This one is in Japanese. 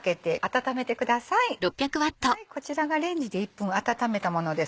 こちらがレンジで１分温めたものです。